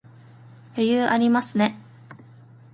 余裕ありますね